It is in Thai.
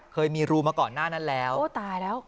เคยมีรูมาก่อนหน้านั้นแล้วโอ้ตายแล้ว